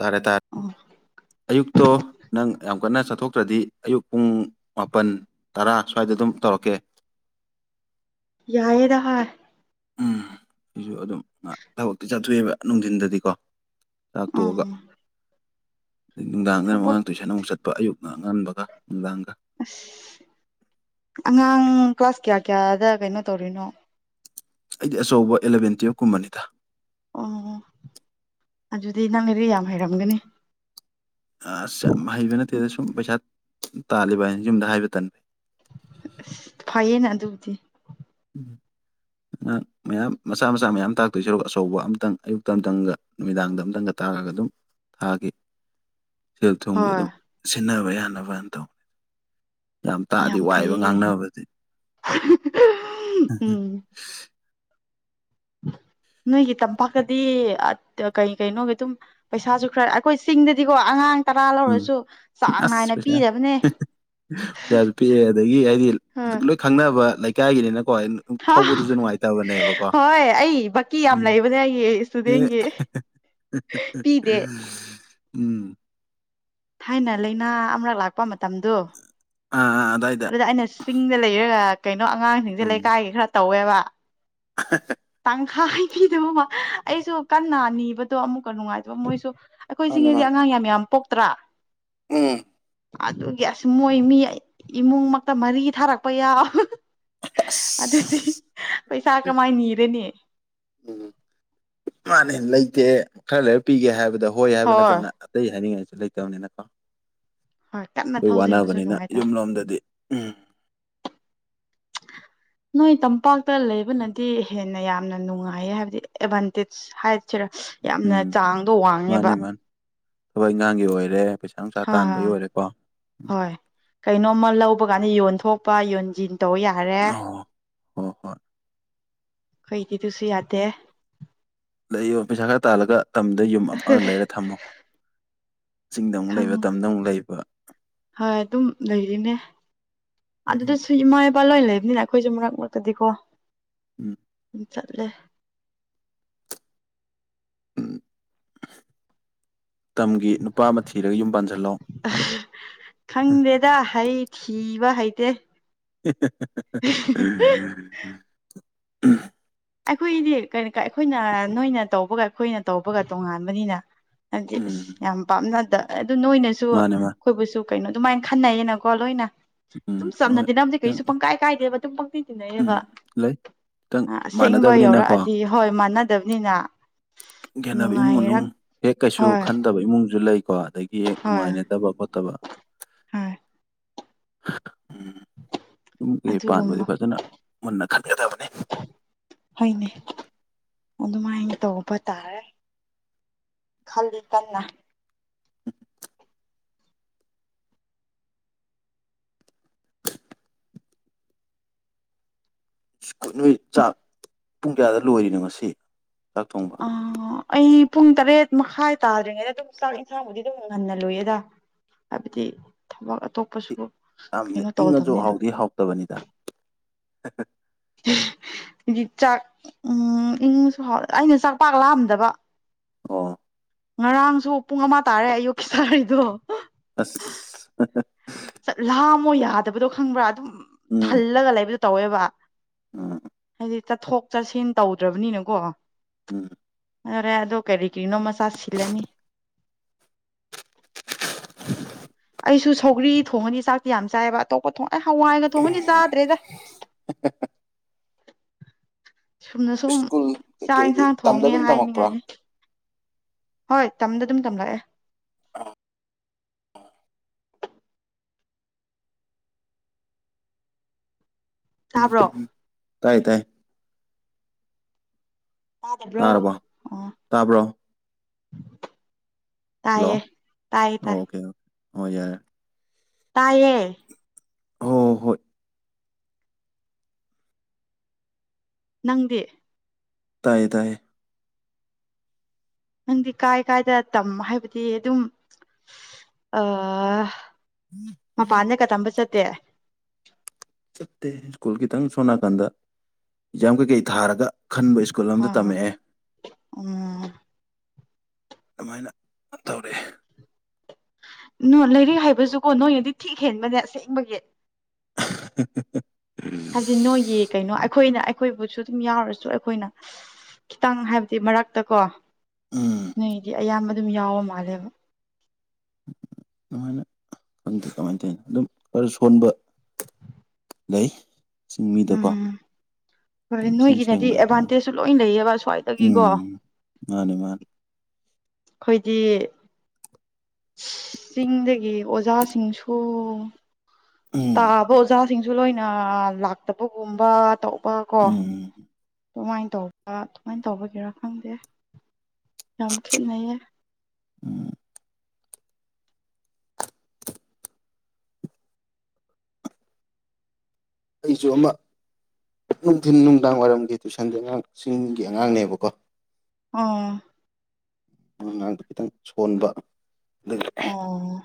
ꯇꯥꯔꯦ ꯇꯥꯔꯦ ꯑꯣ ꯑꯌꯨꯛꯇꯣ ꯅꯪ ꯌꯥꯝ ꯀꯟꯅ ꯆꯠꯊꯣꯛꯇ꯭ꯔꯗꯤ ꯑꯌꯨꯛ ꯄꯨꯡ ꯃꯥꯄꯟ ꯇꯔꯥ ꯁ꯭ꯋꯥꯏꯗ ꯗꯨꯝ ꯇꯧꯔꯛꯀꯦ ꯌꯥꯏꯌꯦꯗ ꯍꯥꯏ ꯎꯝ ꯑꯩꯁꯨ ꯑꯗꯨꯝ ꯑꯥ ꯊꯕꯛꯇꯤ ꯆꯠꯊꯣꯛꯑꯦꯕ ꯅꯨꯡꯗꯤꯟꯗꯗꯤꯀꯣ ꯆꯥꯛ ꯎꯝ ꯇꯣꯛꯑꯒ ꯅꯨꯡꯗꯥꯡꯗꯅ ꯃꯨꯛ ꯊꯕꯛ ꯃꯉꯥꯡ ꯇꯨꯏꯁꯟ ꯑꯃꯨꯛ ꯆꯠꯄ ꯑꯌꯨꯛꯅ ꯑꯉꯟꯕꯒ ꯅꯨꯡꯗꯥꯡ ꯑ꯭ꯁ ꯑꯉꯥꯡ ꯀ꯭ꯂꯥꯁ ꯀꯌꯥ ꯀꯌꯥꯗ ꯀꯩꯅꯣ ꯇꯧꯔꯤꯅꯣ ꯑꯩꯗꯤ ꯑꯆꯧꯕ ꯑꯦꯂꯚꯦꯟ ꯇꯨꯌꯦꯞ ꯀꯨꯝꯕꯅꯤꯗ ꯑꯣ ꯑꯗꯨꯗꯤ ꯅꯪ ꯂꯥꯏꯔꯤꯛ ꯌꯥꯝ ꯍꯩꯔꯝꯒꯅꯤ ꯑꯁ ꯌꯥꯝ ꯍꯩꯕ ꯅꯠꯇꯦꯗ ꯁꯨꯝ ꯄꯩꯁꯥ ꯇꯥꯜꯂꯤꯕ ꯍꯥꯏꯅꯦ ꯌꯨꯝꯗ ꯍꯥꯏꯕ ꯇꯟ ꯑꯁ ꯐꯥꯌꯦꯅ ꯑꯗꯨꯗꯤ [inaudible] ꯑꯉꯥꯡ ꯃꯌꯥꯝ ꯃꯆꯥ ꯃꯆꯥ ꯃꯌꯥꯝ ꯇꯥꯛꯇꯣꯏ ꯁꯔꯨꯛ ꯑꯆꯧꯕ ꯑꯝꯇꯪ ꯑꯌꯨꯛꯇꯪ ꯇꯪ ꯒ ꯅꯨꯃꯤꯗꯥꯡꯗ ꯑꯝꯇꯪꯒ ꯇꯥꯛꯑꯒ ꯑꯗꯨꯝ ꯊꯥꯈꯤ ꯁꯦꯜ ꯊꯨꯝꯒꯤ ꯍꯣꯏ ꯑꯗꯨꯝ ꯁꯤꯟꯅꯕ ꯌꯥꯅꯕꯅ ꯇꯧ ꯌꯥꯝ ꯇꯥꯛꯑꯗꯤ ꯋꯥꯏꯑꯦꯕꯥ ꯉꯥꯡꯅꯕꯗꯤ ꯎꯝ ꯍꯝ [inaudible] ꯅꯣꯏꯒꯤ ꯇꯝꯄꯥꯛꯇꯗꯤ ꯑ ꯘ ꯀꯩ ꯀꯩꯅꯣꯒꯤ ꯑꯗꯨꯝ ꯄꯩꯁꯥꯁꯨ ꯈꯔ ꯑꯩꯈꯣꯏ ꯆꯤꯡꯗꯗꯤꯀꯣ ꯑꯉꯥꯡ ꯇꯔꯥ ꯎꯝ ꯂꯧꯔꯁꯨ ꯆꯥꯡ ꯅꯥꯏꯅ ꯄꯤꯗꯕꯅꯦ ꯇ ꯍ ꯄꯩꯁꯥꯁꯨ ꯄꯤꯛꯑꯦ ꯑꯗꯒꯤ ꯍꯥꯢꯗꯤ ꯂꯣꯏ ꯈꯪꯅꯕ ꯂꯩꯀꯥꯏꯒꯤꯅꯦꯅꯥ ꯍꯣꯏ ꯎ ꯎꯝ ꯊꯧꯕꯗꯨꯁꯨ ꯅꯨꯡꯉꯥꯏꯇꯕꯅꯦꯕꯀꯣ ꯍꯣꯏ ꯑꯩ ꯕꯛꯀꯤ ꯌꯥꯝ ꯎꯝ ꯂꯩꯕꯅꯦ ꯑꯩꯒꯤ ꯑꯦ ꯍꯦ ꯍꯦ ꯍꯦ ꯏꯁꯇꯨꯗꯦꯟꯒꯤ ꯍ ꯍ ꯄꯤꯗꯦ ꯍ ꯑꯍ ꯎꯝ ꯊꯥꯏꯅ ꯂꯩꯅꯥ ꯑꯃꯔꯛ ꯂꯥꯛꯄ ꯃꯇꯝꯗꯨ ꯑꯥ ꯑꯥ ꯑꯗꯥꯏꯗ ꯑꯗꯨꯗ ꯑꯩꯅ ꯆꯤꯡꯗ ꯂꯩꯔꯒ ꯀꯩꯅꯣ ꯑꯉꯥꯡꯁꯤꯡꯁꯦ ꯎꯝ ꯂꯩꯀꯥꯏꯒꯤ ꯈꯔ ꯇꯧꯑꯦꯕ [unintelligible] ꯇꯪꯈꯥꯏ ꯍ ꯄꯤꯗꯕ ꯑꯃ ꯑꯩꯁꯨ ꯀꯟꯅ ꯅꯤꯕꯗꯣ ꯑꯃꯨꯛꯀ ꯅꯨꯡꯉꯥꯏꯇꯕ ꯃꯣꯏꯁꯨ ꯑꯩꯈꯣꯏ ꯃꯥꯅꯦ ꯆꯤꯡꯒꯤꯗꯤ ꯃꯥꯅꯦ ꯑꯉꯥꯡ ꯌꯥꯝ ꯌꯥꯝ ꯄꯣꯛꯇ꯭ꯔꯥ ꯎꯝ ꯑꯗꯨꯒꯤ ꯑꯁ ꯃꯣꯏ ꯃꯤ ꯢ ꯏꯃꯨꯡꯃꯛꯇ ꯃꯔꯤ ꯊꯥꯔꯛꯄ ꯌꯥꯎ ꯍ ꯍ ꯍ ꯑꯗꯨꯗꯤ ꯑꯁ ꯍ ꯄꯩꯁꯥ ꯀꯃꯥꯏꯅ ꯅꯤꯔꯅꯤ ꯎꯝ ꯃꯥꯅꯦ ꯂꯩꯇꯦ ꯈꯔ ꯂꯩꯔ ꯄꯤꯒꯦ ꯍꯥꯏꯕꯗꯣ ꯍꯣꯏ ꯍꯥꯏꯕ ꯅꯠꯇꯅ ꯑꯇꯩ ꯍꯥꯏꯅꯤꯡꯉꯥꯏꯁꯨ ꯂꯩꯇꯕꯅꯤꯅꯀꯣ ꯍꯣꯏ ꯀꯟꯅ ꯑꯗꯨ ꯊꯧꯖꯤꯟꯕꯁꯨ ꯋꯥꯅꯕꯅꯤꯅ ꯅꯨꯡꯉꯥꯏꯇꯕ ꯌꯨꯝ ꯂꯣꯝꯗꯗꯤ ꯎꯝ [unintelligible] ꯅꯣꯏ ꯇꯝꯄꯥꯛꯇ ꯂꯩꯕꯅꯗꯤ ꯍꯦꯟꯅ ꯌꯥꯝꯅ ꯅꯨꯡꯉꯥꯏꯌꯦ ꯍꯥꯏꯕꯗꯤ ꯑꯦ ꯑꯦꯚꯥꯟꯇꯦꯆ ꯍꯥꯏ ꯁꯦꯔ ꯌꯥꯝꯅ ꯎꯝ ꯆꯥꯡꯗꯣ ꯋꯥꯡꯉꯦꯕꯥ ꯃꯥꯅꯦ ꯃꯥꯅꯦ ꯊꯕꯛ ꯏꯉꯥꯡꯒꯤ ꯑꯣꯏꯔꯦ ꯄꯩꯁꯥ ꯅꯨꯡꯁꯥ ꯍꯥ ꯇꯥꯟꯕꯒꯤ ꯑꯣꯏꯔꯦꯀꯣ ꯎꯝ ꯍꯣꯏ ꯀꯩꯅꯣꯃ ꯂꯧ [unintelligible] ꯄꯀꯥꯟꯗ ꯌꯣꯟ ꯊꯣꯛ ꯄ ꯌꯣꯟ ꯁꯤꯟ ꯇꯧꯕ ꯌꯥꯔꯦ ꯑꯣ ꯍꯣ ꯍꯣꯏ ꯈꯣꯏꯗꯤ ꯗꯨꯁꯨ ꯌꯥꯗꯦ ꯂꯩꯌꯣ ꯄꯩꯁꯥ ꯈꯔ ꯇꯥꯜꯂꯒ ꯇꯝꯗ ꯌꯨꯝ ꯑꯃꯒ ꯂꯩꯔ ꯊꯝꯃꯣ ꯆꯤꯡꯗ ꯑꯃꯨꯛ ꯈꯪ ꯂꯩꯕ ꯇꯝꯗ ꯑꯃꯨꯛ ꯂꯩꯕ ꯍꯣꯏ ꯑꯗꯨꯝ ꯂꯩꯔꯤꯅꯦ ꯑꯗꯨꯗ ꯎꯝ ꯁꯨ ꯢꯃꯥ ꯢꯞ [unintelligible] ꯂꯣꯏ ꯂꯩꯕꯅꯤꯅ ꯑꯩꯈꯣꯏꯁꯨ ꯃꯔꯛ ꯃꯔꯛꯇꯗꯤꯀꯣ ꯎꯝ ꯑꯗꯨꯝ ꯆꯠꯂꯦ ꯎꯝ ꯇꯝꯒꯤ ꯅꯨꯄꯥ ꯑꯃ ꯊꯤꯔꯒ ꯌꯨꯝ ꯄꯥꯟꯖꯟꯂꯣ [unintelligible] ꯈꯪꯗꯦꯗꯥ ꯍꯩ ꯊꯤꯕ ꯍꯩꯇꯦ ꯍꯦ ꯍꯦ ꯍꯦ ꯍꯦ ꯍꯦ [unintelligible] ꯎꯝ ꯑꯩꯈꯣꯏꯗꯤ ꯀꯩꯅ ꯀ ꯑꯩꯈꯣꯏꯅ ꯅꯣꯏꯅ ꯇꯧꯕꯒ ꯑꯩꯈꯣꯏꯅ ꯇꯧꯕꯒ ꯇꯣꯉꯥꯟꯕꯅꯤꯅ ꯍꯥꯏꯕꯗꯤ ꯎꯝ ꯑꯁ ꯌꯥꯝ ꯄꯥꯝꯅꯗ ꯑꯗꯨ ꯅꯣꯏꯅꯁꯨ ꯃꯥꯅꯦ ꯃꯥꯅꯦ ꯑꯈꯣꯏꯕꯨꯁꯨ ꯀꯩꯅꯣ ꯑꯗꯨꯃꯥꯏꯟ ꯈꯟꯅꯩꯌꯦꯅꯀꯣ ꯂꯣꯏꯅ ꯎꯝ ꯗꯨꯝ ꯆꯝꯅ ꯍꯣꯏ ꯇꯤꯟꯅꯕꯗꯤ ꯈꯤꯇꯪ ꯀꯩꯁꯨ ꯄꯪ ꯀꯥꯏ ꯀꯥꯏꯗꯦꯕ ꯑꯗꯨꯝ ꯄꯪ ꯇꯤꯟ ꯎꯝ ꯇꯤꯟꯅꯩꯌꯦꯕ ꯂꯩ ꯈꯤꯇꯪ ꯑ ꯑꯁꯦꯡꯕ ꯃꯥꯟꯅꯗꯕꯅꯤꯅꯀꯣ ꯌꯥꯎꯔꯛꯑꯗꯤ ꯍꯣꯏ ꯃꯥꯟꯅꯗꯞꯅꯤꯅ ꯌꯥꯅꯕ ꯏꯃꯨꯡ ꯃꯅꯨꯡ ꯍꯦꯛ ꯀꯩꯁꯨ ꯍꯣꯏ ꯈꯟꯗꯕ ꯏꯃꯨꯡꯖꯨ ꯂꯩꯀꯣ ꯗꯒꯤ ꯍꯣꯏ ꯅꯨꯡꯉꯥꯏꯅꯗꯕ ꯈꯣꯠꯇꯕ ꯍꯣꯏ [inaudible] ꯎꯝ ꯌꯨꯝ‌ ꯀꯩ ꯄꯥꯟꯕꯗꯤ ꯑꯗꯨꯒꯨꯝꯕ ꯐꯖꯅ ꯃꯨꯟꯅ ꯈꯟꯒꯗꯕꯅꯤ ꯍꯣꯏꯅꯦ ꯑꯗꯨꯃꯥꯏꯅ ꯇꯧꯕ ꯇꯥꯔꯦ ꯈꯜꯂꯤ ꯀꯟꯅ [unintelligible] ꯅꫭꯏ ꯆꯥꯛ ꯄꯨꯡ ꯀꯌꯥꯗ ꯂꯣꯏꯔꯤꯅꯣ ꯉꯁꯤ ꯆꯥꯛ ꯊꯣꯡꯕ ꯑꯥ ꯑꯩ ꯄꯨꯡ ꯇꯔꯦꯠ ꯃꯈꯥꯏ ꯇꯥꯗ꯭ꯔꯤꯉꯩꯗ ꯑꯗꯨꯝ ꯆꯥꯛ ꯏꯟꯁꯥꯡꯕꯨꯗꯤ ꯑꯗꯨꯝ ꯉꯟꯅ ꯂꫭꯏꯌꯦꯗ ꯍꯥꯏꯕꯗꯤ ꯊꯕꯛ ꯑꯇꯣꯞꯄꯁꯨ ꯌꯥꯝ ꯀꯩꯅꯣ ꯏꯪꯉꯖꯨ ꯇꯧꯗꯕꯅꯤꯅ ꯍꯥꯎꯗꯤ ꯍꯥꯎꯇꯕꯅꯤꯗ [inaudible] ꯍꯨꯖꯤꯛ ꯆꯥꯛ ꯎꯝ ꯏꯪꯉꯁꯨ ꯍꯥꯎ ꯑꯩꯅ ꯆꯥꯛ ꯄꯥꯛ ꯂꯥꯝꯗꯕ ꯑꯣ ꯉꯔꯥꯡꯁꯨ ꯄꯨꯡ ꯑꯃ ꯇꯥꯔꯦ ꯑꯌꯨꯛꯀꯤ ꯆꯥꯔꯤꯗꯣ ꯑꯁ [unintelligible] ꯆꯠ ꯂꯥꯝꯃꯣ ꯌꯥꯗꯕꯗꯣ ꯈꯪꯕ꯭ꯔ ꯑꯗꯨꯝ ꯎꯝ ꯊꯜꯂꯒ ꯂꯩꯕꯗꯣ ꯇꯧꯋꯦꯕ ꯎꯝ ꯍꯥꯏꯗꯤ ꯆꯠꯊꯣꯛ ꯆꯠꯁꯤꯟ ꯇꯧꯗ꯭ꯔꯕꯅꯤꯅꯀꯣ [inaudible] ꯑꯔꯦ ꯑꯗꯣ ꯀꯔꯤꯀ꯭ꯔꯤꯅꯣ ꯃꯆꯥ ꯁꯤꯜꯂꯅꯤ ꯑꯩꯁꯨ ꯁꯧꯒ꯭ꯔꯤ ꯊꯣꯡꯉꯅꯤ ꯆꯥꯛꯇꯤ ꯌꯥꯝ ꯆꯥꯏꯌꯦꯕ ꯑꯇꯣꯞꯄ ꯊꯣꯡ ꯍꯋꯥꯏꯒ ꯊꯣꯡꯉꯗꯤ ꯆꯥꯗ꯭ꯔꯦꯗ ꯁꯨꯝꯅ ꯁꯨꯝ ꯁ꯭ꯀꯨꯜ ꯆꯥꯛ ꯀꯩꯀꯩꯗꯤ ꯑꯦꯟꯁꯥꯡ ꯇꯝꯗ ꯊꯣꯡꯉꯦ ꯑꯗꯨꯝ ꯇꯝꯃꯛꯄ꯭ꯔꯣ ꯍꯥꯏꯅꯤꯡꯉꯥꯏꯅꯤ ꯍꯣꯏ ꯇꯝꯗ ꯑꯗꯨꯝ ꯇꯝꯂꯑꯦ ꯇꯥꯕ꯭ꯔꯣ ꯇꯥꯏ ꯇꯥꯏ ꯇꯥꯗꯕ꯭ꯔꯣ ꯇꯥꯔꯕꯣ ꯑꯣ ꯇꯥꯕ꯭ꯔꯣ ꯍꯜꯂꯣ ꯇꯥꯏꯌꯦ ꯇꯥꯏꯌꯦ ꯑꯣ ꯇꯥꯏ ꯑꯣꯀꯦ ꯑꯣ ꯌꯥꯔꯦ ꯇꯥꯏꯌꯦ ꯍꯣ ꯍꯣꯏ ꯅꯪꯗꯤ ꯇꯥꯏꯌꯦ ꯇꯥꯏꯌꯦ ꯅꯪꯗꯤ ꯀꯥꯏ ꯀꯥꯏꯗ ꯇꯝ ꯍꯥꯏꯕꯗꯤ ꯑꯗꯨꯝ ꯑ ꯃꯄꯥꯥꯟꯗꯒ ꯇꯝꯕ ꯆꯠꯇꯦ [unintelligible] ꯁꯣꯟ ꯅꯥꯀꯟꯗ ꯑꯦꯛꯖꯥꯝ ꯀꯩ ꯀꯩ ꯊꯥꯔꯒ ꯈꯟꯕ ꯁ꯭ꯀꯨꯜ ꯑꯝꯗ ꯍꯣꯏ ꯍꯣꯏ ꯇꯝꯃꯑꯦ ꯎꯝ ꯑꯃꯥꯏꯅ ꯇꯧꯔꯑꯦ ꯅꯣ ꯂꯥꯏꯔꯤꯛ ꯍꯥꯏꯕꯖꯨꯀꯣ ꯅꯣꯏꯅꯗꯤ ꯊꯤꯛ ꯍꯦꯟꯕꯅꯦ ꯑꯁꯦꯡꯕꯒꯤ [inaudible] ꯍꯥꯏꯕꯗꯤ ꯅꯣꯏꯒꯤ ꯀꯩꯅꯣ ꯑꯩꯈꯣꯏꯅ ꯑꯩ ꯑꯈꯣꯏꯕꯨꯁꯨ ꯑꯗꯨꯝ ꯌꯥꯎꯔꯁꯨ ꯑꯈꯣꯏꯅ ꯈꯤꯇꯪ ꯍꯥꯏꯕꯗꯤ ꯃꯔꯛꯇ ꯀꯣ ꯎꯝ ꯅꯣꯏꯗꯤ ꯑꯌꯥꯝꯕ ꯑꯗꯨꯝ ꯌꯥꯎꯕ ꯃꯥꯜꯂꯦꯕ [unintelligible] ꯈꯪꯗꯦ ꯀꯃꯥꯏ ꯇꯧꯏꯅꯣ ꯑꯗꯨꯝ ꯈꯔ ꯁꯣꯟꯕ ꯂꯩ ꯆꯤꯡꯃꯤꯗꯀꯣ ꯎꯝ ꯍꯣꯏ ꯏꯁꯦꯡ ꯅꯣꯏꯒꯤꯅꯗꯤ ꯁꯦꯡꯅ ꯍꯥꯏ ꯑꯦꯗꯚꯥꯟꯇꯦꯖꯁꯨ ꯂꯣꯏ ꯂꯩꯌꯦꯕ ꯁ꯭ꯋꯥꯏꯗꯒꯤꯀꯣ ꯃꯥꯅꯤ ꯃꯥꯅꯤ ꯑꯈꯣꯏꯗꯤ ꯆꯤꯡꯗꯒꯤ ꯑꯣꯖꯥꯁꯤꯡꯁꯨ ꯎꯝ ꯇꯥꯕ ꯑꯣꯖꯥꯁꯤꯡꯁꯨ ꯂꯣꯏꯅ ꯂꯥꯛꯇꯕꯒꯨꯝꯕ ꯇꯧꯕ ꯀꯣ ꯎꯝ ꯑꯗꯨꯃꯥꯏꯟ ꯇꯧꯕ ꯑꯗꯨꯃꯥꯏꯟ ꯇꯧꯕꯒꯤꯔꯥ ꯈꯪꯗꯦ ꯌꯥꯝ ꯈꯦꯠꯅꯩꯌꯦ ꯎꯝ ꯑꯩꯁꯨ ꯑꯃ ꯅꯨꯡꯊꯤꯟ ꯅꯨꯡꯗꯥꯡ ꯋꯥꯏꯔꯝꯒꯤ ꯇꯨꯏꯁꯟꯗꯨꯅ ꯆꯤꯡꯒꯤ ꯑꯉꯥꯡꯅꯦꯕꯀꯣ ꯎꯝ ꯗꯨ ꯑꯉꯥꯡꯗꯣ ꯈꯤꯇꯪ ꯁꯣꯟꯕ ꯑꯗꯒꯤ ꯑꯣ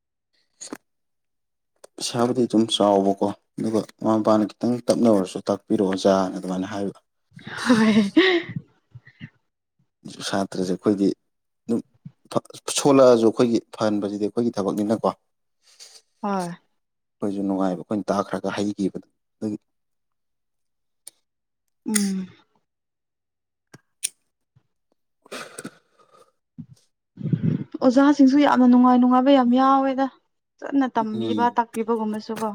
[inaudible] ꯄꯩꯥꯁꯥꯕꯨꯗꯤ ꯑꯗꯨꯝ ꯆꯥꯎꯕꯀꯣ ꯑꯗꯨꯒ ꯃꯃꯥ ꯃꯄꯥꯅ ꯈꯤꯇꯪꯗꯤ ꯇꯞꯅ ꯑꯣꯏꯔꯁꯨ ꯇꯥꯛꯄꯤꯔꯛꯑꯣ ꯑꯣꯖꯥꯅ ꯑꯗꯨꯃꯥꯏꯅ ꯍꯥꯏꯕ [unintelligible] ꯁꯥꯇ꯭ꯔꯁꯦ ꯑꯈꯣꯏꯗꯤ ꯗꯨꯝ ꯐ ꯁꯣꯜꯂꯛꯑꯁꯨ ꯑꯈꯣꯏꯒꯤ ꯐꯍꯟꯕꯖꯤꯗꯤ ꯑꯈꯣꯏꯒꯤ ꯊꯕꯛꯅꯤꯅꯀꯣ ꯍꯣꯏ ꯑꯈꯣꯏꯁꯨ ꯅꯨꯡꯉꯥꯏꯕ ꯑꯩꯈꯣꯏꯟ ꯇꯥꯛꯈ꯭ꯔꯒ ꯍꯩꯒꯤꯕꯗꯣ ꯗꯨꯒꯤ ꯎꯝ ꯑꯣꯖꯥꯁꯤꯡꯁꯨ ꯌꯥꯝꯅ ꯅꯨꯡꯉꯥꯏ ꯅꯨꯡꯉꯥꯏꯕ ꯌꯥꯝ ꯌꯥꯎꯋꯦꯗ ꯀꯟꯅ ꯎꯝ ꯇꯝꯕꯤꯕ ꯇꯥꯛꯄꯤꯕꯒꯨꯝꯕꯁꯨ ꯀꯣ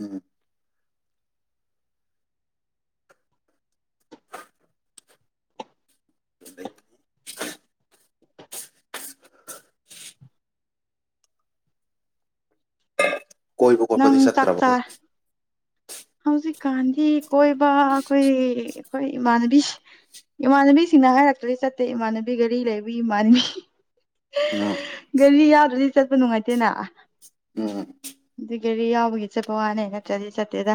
ꯎꯝ [unintelligible] ꯀꯣꯏꯕ ꯈꯣꯠꯄꯗꯤ ꯆꯠꯇ꯭ꯔꯕꯣ ꯍꯧꯖꯤꯛ ꯀꯥꯟꯗꯤ ꯀꯣꯏꯕ ꯑꯈꯣꯏ ꯑꯈꯣꯏ ꯏꯃꯅꯕꯤꯁ ꯏꯃꯥꯟꯅꯕꯤꯁꯤꯡꯅ ꯍꯥꯏꯔꯛꯇ꯭ꯔꯗꯤ ꯆꯠꯇꯦ ꯏꯃꯥꯟꯅꯕꯤ ꯒꯥꯔꯤ ꯂꯩꯕꯤ ꯏꯃꯥꯟꯕꯤ [unintelligible] ꯒꯔꯤ ꯌꯥꯎꯗ꯭ꯔꯗꯤ ꯆꯠꯄ ꯅꯨꯡꯉꯥꯏꯇꯦꯅ ꯎꯝ [unintelligible] ꯒꯥꯔꯤ ꯌꯥꯎꯕꯒꯤ ꯆꯠꯄ ꯋꯥꯅꯦ ꯅꯠꯇ꯭ꯔꯗꯤ ꯆꯠꯇꯦꯗ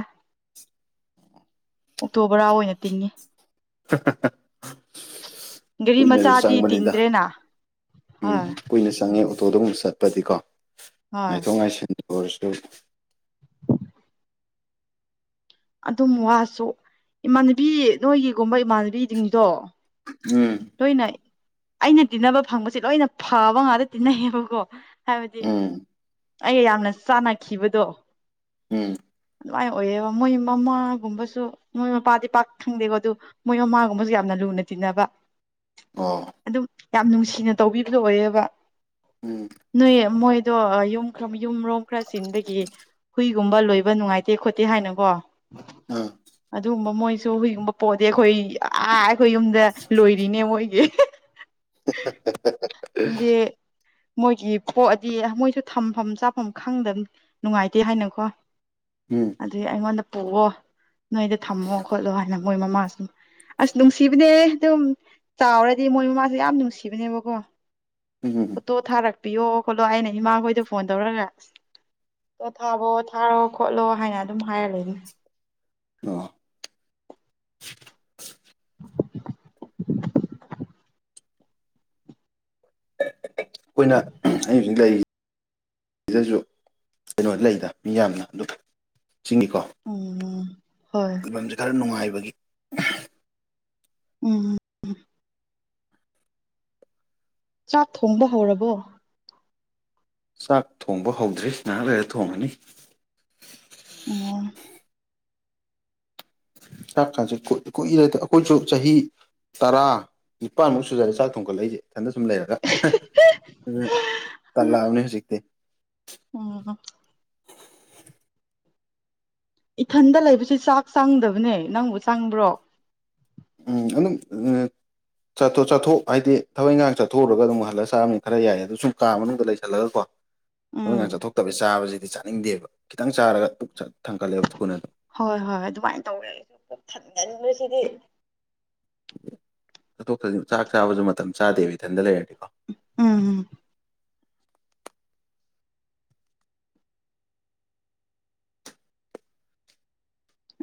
ꯑꯣꯛꯇꯣ ꯕꯔꯥ ꯑꯣꯏꯅ ꯇꯤꯡꯉꯤ ꯍ ꯍ ꯍꯥ ꯒꯥꯔꯤ ꯃꯆꯥꯗꯤ ꯆꯪꯕꯅꯤꯗ ꯇꯤꯡꯗ꯭ꯔꯦꯅ ꯎꯝ ꯍꯣꯏ ꯀꯨꯏꯅ ꯆꯪꯉꯦ ꯑꯣꯇꯣꯗꯒꯨꯝꯕ ꯆꯠꯄꯗꯤꯀꯣ ꯍꯣꯏ ꯉꯥꯏꯊꯣꯛ ꯉꯥꯏꯁꯤꯟ ꯑꯣꯏꯔꯁꯨ ꯑꯗꯨꯝ ꯋꯥꯁꯨ ꯏꯃꯥꯟꯅꯕꯤ ꯅꯣꯏꯒꯤꯒꯨꯝꯕ ꯏꯃꯥꯟꯅꯕꯤ ꯖꯤꯡꯗꯣ ꯎꯝ [unintelligible] ꯑꯩꯅ ꯇꯤꯟꯅꯕ ꯐꯪꯕꯁꯦ ꯂꯣꯏꯅ ꯐꯕ ꯉꯥꯛꯇ ꯇꯤꯟꯅꯩꯌꯦꯕꯀꯣ ꯍꯥꯏꯕꯗꯤ ꯎꯝ ꯑꯩ ꯌꯥꯝꯅ ꯆꯥꯟꯅꯈꯤꯕꯗꯣ ꯎꯝ ꯑꯗꯨꯃꯥꯏꯅ ꯑꯣꯏꯌꯦꯕ ꯃꯣꯏ ꯃꯃꯥꯒꯨꯝꯕꯁꯨ ꯃꯣꯏ ꯃꯄꯥꯗꯤ ꯄꯥꯛ ꯈꯪꯗꯦꯀꯣ ꯑꯗꯨ ꯃꯣꯏ ꯃꯃꯥꯒꯨꯝꯕꯁꯨ ꯌꯥꯝꯅ ꯂꯨꯅ ꯇꯤꯟꯅꯕ ꯑꯣ ꯑꯗꯨꯝ ꯌꯥꯝ ꯅꯨꯡꯁꯤꯅ ꯇꯧꯕꯤꯕꯗꯨ ꯑꯣꯏꯌꯦꯕ ꯎꯝ ꯅꯣꯏ ꯃꯣꯏꯗꯣ ꯌꯨꯝ ꯌꯨꯝꯔꯣꯝ ꯈꯔ ꯆꯤꯟꯕꯒꯤ ꯍꯨꯏꯒꯨꯝꯕ ꯂꯣꯏꯕ ꯅꯨꯡꯉꯥꯏꯇꯦ ꯈꯣꯠꯇꯦ ꯍꯥꯏꯅꯀꯣ ꯑꯥ ꯑꯗꯨꯒꯨꯝꯕ ꯃꯣꯏꯁꯨ ꯍꯨꯢꯒꯨꯝꯕ ꯄꯣꯛꯑꯗꯤ ꯑꯩꯈꯣꯏ ꯑꯥ ꯑꯩꯈꯣꯏ ꯌꯨꯝꯗ ꯂꯣꯏ ꯂꯤꯅꯦ ꯃꯣꯢꯒꯤ ꯍꯤ ꯗꯨꯗꯤ ꯃꯣꯏꯒꯤ ꯄꯣꯛꯑꯗꯤ ꯃꯣꯏꯁꯨ ꯊꯝꯐꯝ ꯆꯥꯐꯝ ꯈꯪꯗ ꯅꯨꯡꯉꯥꯏꯇꯦ ꯍꯥꯏꯅꯀꯣ ꯎꯝ ꯑꯗꯨꯏ ꯑꯩꯉꯣꯟꯗ ꯄꯨꯑꯣ ꯅꯣꯏꯗ ꯊꯝꯃꯣ ꯈꯣꯠꯂꯣ ꯍꯥꯏꯅ ꯃꯣꯏ ꯃꯃꯥꯁꯤ ꯑ꯭ꯁ ꯅꯨꯡꯁꯤꯕꯅꯦ ꯗꯨꯝ ꯆꯥꯎꯔꯗꯤ ꯃꯣꯏ ꯃꯃꯥꯁꯦ ꯌꯥꯝ ꯅꯨꯡꯁꯤꯕꯅꯦꯕꯀꯣ ꯎꯝ ꯐꯣꯇꯣ ꯊꯥꯔꯛꯄꯤꯌꯣ ꯈꯣꯠꯂꯣ ꯍꯥꯢꯅ ꯏꯃꯥ ꯍꯣꯏꯗ ꯐꯣꯟ ꯇꯧꯔꯒ ꯇꯣ ꯊꯥꯕꯣ ꯊꯥꯔꯛꯑꯣ ꯈꯣꯠꯂꯣ ꯍꯥꯏꯅ ꯑꯗꯨꯝ ꯍꯥꯏꯔ ꯂꯩ [inaudible] ꯎꯝ ꯑꯣ ꯑꯩꯈꯣꯏꯅ ꯑꯍꯝ ꯑꯩ ꯍꯧꯖꯤꯛ ꯂꯩꯔꯤ ꯁꯤꯗꯁꯨ ꯀꯩꯅꯣꯗꯤ ꯂꯩꯗ ꯃꯤ ꯌꯥꯝꯅ ꯗꯨꯝ ꯁꯤꯡꯅꯤꯀꯣ ꯎꯝ ꯍꯣꯏ ꯂꯩꯐꯝꯁꯤ ꯈꯔ ꯅꯨꯡꯉꯥꯏꯕꯒꯤ ꯎꯝ ꯎꯝ ꯆꯥꯛ ꯊꯣꯡꯕ ꯍꯧꯔꯕꯣ ꯆꯥꯛ ꯊꯣꯡꯕ ꯍꯧꯗ꯭ꯔꯤ ꯉꯥꯏꯍꯥꯛ ꯂꯩꯔ ꯊꯣꯡꯉꯅꯤ ꯎꯝ ꯆꯥꯛꯀꯁꯦ ꯀꯨꯏ ꯀꯨꯢꯔꯦꯗ ꯑꯩꯈꯣꯏꯁꯨ ꯆꯍꯤ ꯇꯔꯥ ꯅꯤꯄꯥꯥꯟꯃꯨꯛ ꯁꯨꯔꯦ ꯆꯥꯛ ꯊꯣꯡꯒꯠꯂꯛꯏꯁꯤ ꯑꯗꯁꯨꯝ ꯂꯩꯔꯒ ꯍꯥ ꯑꯗꯨꯅ ꯇꯜꯂꯛꯑꯕꯅꯤ ꯍꯧꯖꯤꯛꯇꯤ ꯎꯝ ꯑꯣ ꯏꯊꯟꯗ ꯂꯩꯕꯁꯦ ꯆꯥꯛ ꯆꯪꯗꯕꯅꯦ ꯅꯪꯕꯨ ꯆꯪꯕ꯭ꯔꯣ ꯎꯝ ꯑꯗꯨꯝ ꯑꯥ ꯆꯠꯊꯣ ꯆꯠꯊꯣꯛ ꯍꯥꯏꯗꯤ ꯊꯕꯛ ꯏꯪꯈꯥꯡ ꯆꯠꯊꯣꯛꯎꯔꯒ ꯗꯨꯝ ꯍꯜꯂ ꯆꯥꯝꯅꯤ ꯈꯔ ꯌꯥꯏ ꯑꯗꯨ ꯁꯨꯝ ꯀꯥ ꯃꯅꯨꯡꯗ ꯂꯩꯁꯜꯂꯒ ꯀꯣ ꯎꯝ [unintelligible] ꯆꯠꯊꯣꯛꯇꯕꯩ ꯆꯥꯕꯁꯤꯗꯤ ꯆꯥꯅꯤꯡꯗꯦꯕ ꯈꯤꯇꯪ ꯆꯥꯔꯒ ꯄꯨꯛ ꯊ ꯊꯟꯒꯠꯂꯦ ꯊꯨꯅ ꯍꯣꯏ ꯍꯣꯏ ꯍꯣꯏ ꯑꯗꯨꯃꯥꯏ ꯇꯧꯋꯦ ꯑꯩꯁꯨ ꯄꯨꯛ ꯊꯟꯒꯟꯕꯁꯤꯗꯤ ꯆꯊꯣꯛꯇ꯭ꯔꯁꯨ ꯆꯥꯛ ꯆꯥꯕꯁꯨ ꯃꯇꯝ ꯆꯥꯗꯦꯕ ꯏꯊꯟꯇ ꯂꯩꯔꯗꯤ ꯎ ꯎꯝ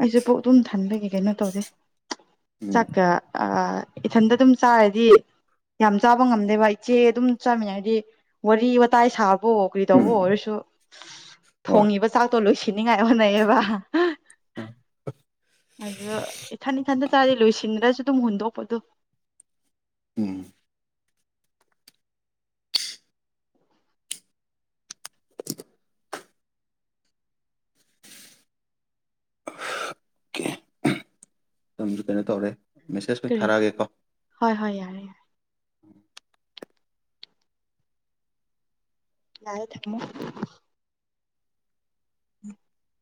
ꯑꯩꯁꯨ ꯄꯨꯛ ꯑꯗꯨꯨꯝ ꯊꯟꯕꯒꯤ ꯀꯩꯅꯣ ꯇꯧꯗꯦ ꯎꯝ ꯆꯥꯛꯀ ꯑꯥ ꯏꯊꯟꯗ ꯑꯗꯨꯝ ꯆꯥꯔꯗꯤ ꯌꯥꯝ ꯆꯥꯕ ꯉꯝꯗꯦꯕ ꯏꯆꯦ ꯑꯗꯨꯝ ꯆꯥꯃꯤꯟꯅꯔꯗꯤ ꯋꯥꯔꯤ ꯋꯥꯇꯥꯏ ꯁꯥꯞ ꯑꯣ ꯀ꯭ꯔꯤ ꯇꯧꯕ ꯎꯝ ꯑꯣꯏꯔꯁꯨ ꯍꯣꯏ ꯊꯣꯡꯉꯤꯕ ꯆꯥꯛꯇꯣ ꯂꯣꯏꯁꯤꯟꯅꯤꯉꯥꯏ ꯍꯣꯠꯅꯩꯌꯦꯕ [inaudible] ꯑꯗꯨ ꯏꯊꯟ ꯏꯊꯟꯗ ꯆꯥ꯭ꯔꯗꯤ ꯂꯣꯏꯁꯤꯟꯗ꯭ꯔꯁꯨ ꯗꯨꯝ ꯍꯨꯟꯗꯣꯛꯄꯗꯣ ꯎꯝ ꯀꯦ ꯍꯝ ꯃꯇꯝꯁꯨ ꯀꯩꯅꯣ ꯇꯧꯔꯦ ꯃꯦꯁꯦꯁ ꯇꯤ ꯀꯔꯤ ꯊꯥꯔꯛꯑꯒꯦꯀꯣ ꯍꯣꯏ ꯍꯣꯏ ꯌꯥꯔꯦ ꯌꯥꯔꯦ [unintelligible] ꯊꯥꯔꯝꯃꯣ [inaudible]